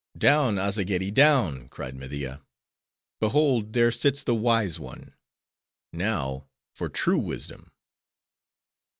"Down, Azzageddi! down!" cried Media. "Behold: there sits the Wise One; now, for true wisdom!"